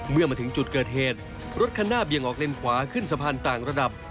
เมื่อมาถึงจุดเกิดเหตุรถคันหน้าเบี่ยงออกเลนขวาขึ้นสะพานต่างระดับ